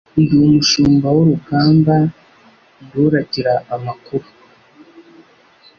Ndi umushumba w' urugamba ndi uragira amakuru